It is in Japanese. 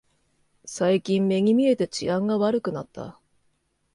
最近目に見えて治安が悪くなった